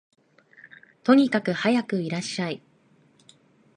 とにかくはやくいらっしゃい